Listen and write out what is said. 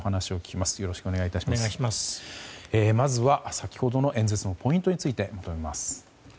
まずは、先ほどの演説のポイントについてまとめます。